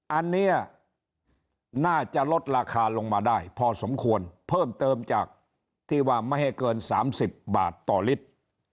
อันนี้น่าจะลดราคาลงมาได้พอสมควรเพิ่มเติมจากที่ว่าไม่ให้เกิน๓๐บาทต่อลิตร